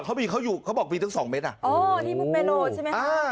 เขามีเขาอยู่เขาบอกมีทั้งสองเม็ดอ่ะอ๋อที่มุกเมโลใช่ไหมคะ